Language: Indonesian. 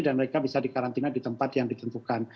dan mereka bisa di karantina di tempat yang ditentukan